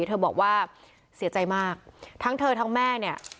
เธอบอกว่าเสียใจมากทั้งเธอทั้งแม่เนี่ย